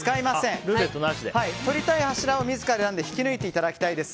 取りたい柱を自ら選んで引き抜いていただきたいです。